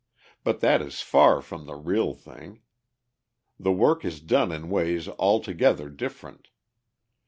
But that is far from the real thing. The work is done in ways altogether different.